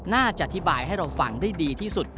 น่าจะอธิบายให้เราฟังได้ดีที่สุด